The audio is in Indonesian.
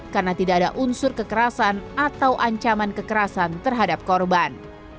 karena tidak ada unsur kekerasan atau ancaman kekerasan terhadap korban